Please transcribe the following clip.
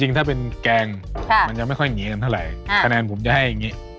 ถ้าเป็นแกงมันยังไม่ค่อยหนีกันเท่าไหร่คะแนนผมจะให้อย่างนี้